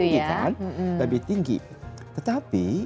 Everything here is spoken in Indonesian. lebih tinggi tetapi